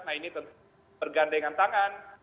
nah ini tentu berganda dengan tangan